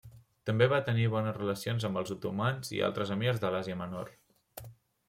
També va tenir bones relacions amb els otomans i altres emirs de l'Àsia Menor.